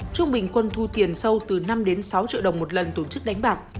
trung bình quân thu tiền sâu từ năm đến sáu triệu đồng một lần tổ chức đánh bạc